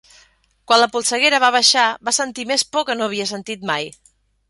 Quan la polseguera va baixar, va sentir més por que no havia sentit mai.